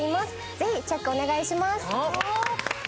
ぜひ、チェックをお願いします。